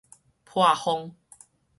破風